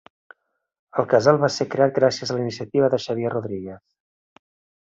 El casal va ser creat gràcies a la iniciativa de Xavier Rodríguez.